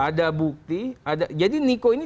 ada bukti ada jadi niko ini